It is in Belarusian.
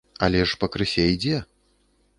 Але ж пакрысе ідзе!